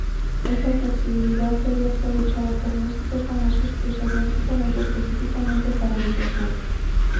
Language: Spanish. Este flexibilidad sería aprovechada por músicos famosos que usarían su talento específicamente para videojuegos.